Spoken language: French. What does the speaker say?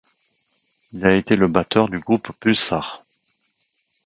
Il a été le batteur du groupe Pulsar.